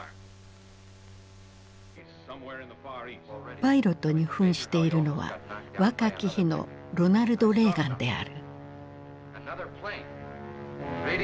パイロットに扮しているのは若き日のロナルド・レーガンである。